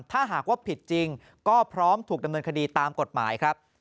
ถ้าหากว่าผิดจริงก็พร้อมถูกดำเนินคดีตามกฎหมายครับ